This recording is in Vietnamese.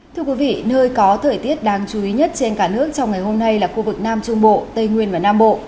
thưa quý vị nơi có thời tiết đáng chú ý nhất trên cả nước trong ngày hôm nay là khu vực nam trung bộ tây nguyên và nam bộ